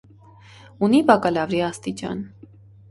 Ունի բակալավրի աստիճան։